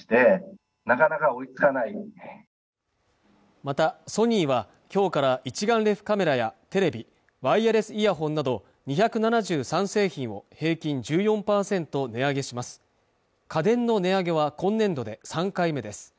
またソニーはきょうから一眼レフカメラやテレビワイヤレスイヤホンなど２７３製品を平均１４％値上げします家電の値上げは今年度で３回目です